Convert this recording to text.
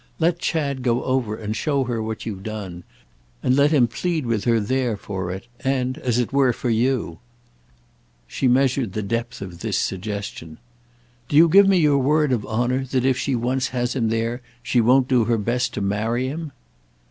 Let Chad go over and show her what you've done, and let him plead with her there for it and, as it were, for you." She measured the depth of this suggestion. "Do you give me your word of honour that if she once has him there she won't do her best to marry him?"